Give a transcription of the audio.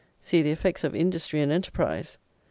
See the effects of "industry and enterprise"!